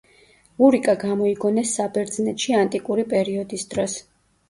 ურიკა გამოიგონეს საბერძნეთში ანტიკური პერიოდის დროს.